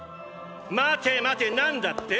待て待て何だって？